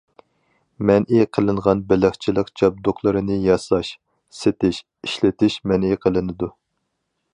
مەنئى قىلىنغان بېلىقچىلىق جابدۇقلىرىنى ياساش، سېتىش، ئىشلىتىش مەنئى قىلىنىدۇ.